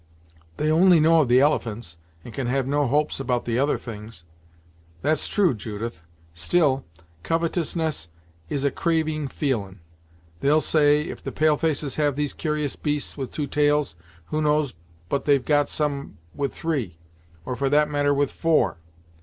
"They only know of the elephants, and can have no hopes about the other things." "That's true, Judith; still, covetousness is a craving feelin'! They'll say, if the pale faces have these cur'ous beasts with two tails, who knows but they've got some with three, or for that matter with four!